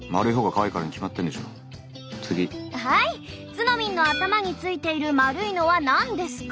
「ツノミンの頭についている丸いのは何ですか？」。